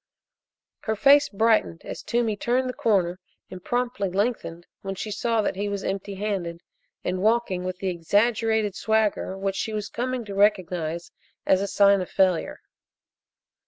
Her face brightened as Toomey turned the corner and promptly lengthened when she saw that he was empty handed and walking with the exaggerated swagger which she was coming to recognize as a sign of failure.